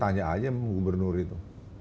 tanya aja gubernur itu